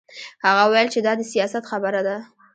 هغه وویل چې دا د سیاست خبره ده